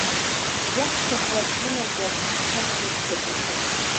Иаҳҭаху аӡәы имазар, қьафурҭагәышьан.